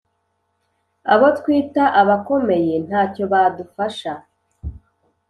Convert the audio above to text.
abo twita abakomeye ntacyo badufasha